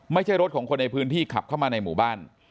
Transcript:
ไม่ใช่รถของคนในพื้นที่ขับเข้ามาในหมู่บ้าน